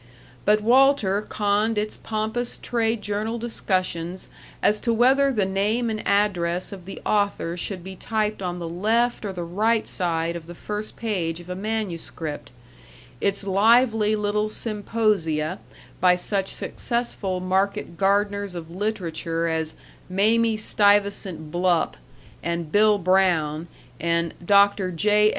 But Walter conned its pompous trade journal discussions as to whether the name and address of the author should be typed on the left or the right side of the first page of a manuscript; its lively little symposia, by such successful market gardeners of literature as Mamie Stuyvesant Blupp and Bill Brown and Dr. J.